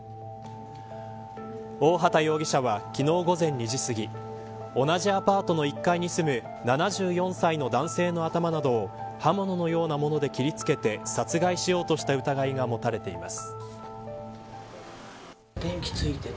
大畑容疑者は、昨日午前２時すぎ同じアパートの１階に住む７４歳の男性の頭などを刃物のようなもので切りつけて殺害しようとした疑いが持たれています。